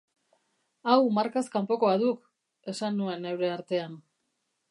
Hau markaz kanpokoa duk!, esan nuen neure artean.